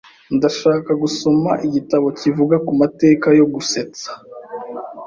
Ndashaka gusoma igitabo kivuga ku mateka yo gusetsa.